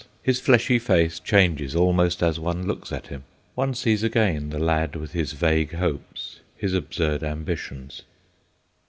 His fleshy face changes almost as one looks at him. One sees again the lad with his vague hopes, his absurd ambitions.